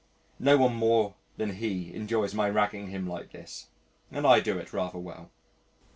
No one more than he enjoys my ragging him like this and I do it rather well.